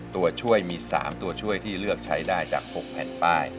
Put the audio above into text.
ตัวช่วยมี๓ตัวช่วยที่เลือกใช้ได้จาก๖แผ่นป้าย